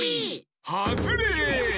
はずれ！